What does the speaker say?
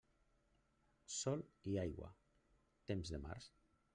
Sol i aigua, temps de març.